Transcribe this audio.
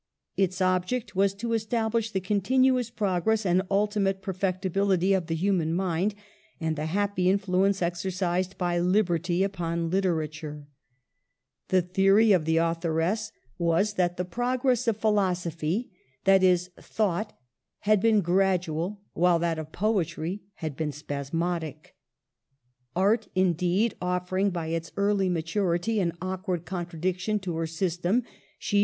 Its object was to establish the continuous progress and ultimate perfectibility of the human mind, and the happy influence exercised by liberty upon literature. The theory of the authoress was that the prog Digitized by VjOOQIC HER WORKS. 215 ress of philosophy, i. e. thought, had been grad ual, while that of poetry had been spasmodic. Art, indeed, offering, by its early maturity, an awkward contradiction to her system, she